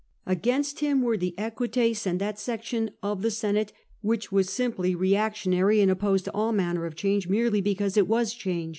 Against him were the Equites and that section of the Senate which was simply reactionary, and opposed to all manner of change merely because it was change.